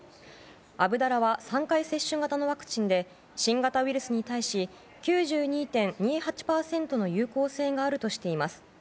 アブダラは３回接種型のワクチンで新型ウイルスに対し９２．２８％の有効性があるとしています。